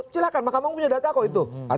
silahkan mahkamah punya data kok itu